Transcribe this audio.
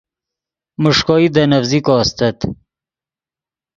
میݰکوئی دے نڤزیکو استت